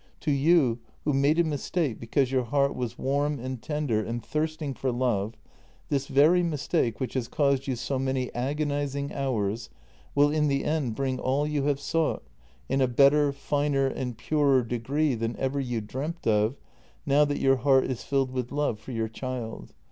To you, who made a mistake because your heart was warm and tender and thirsting for love, this very mistake, which has caused you so many agonizing hours, will in the end bring you all you have sought, in a better, finer, and purer degree than ever you dreamt of, now that your heart is filled with love for your child.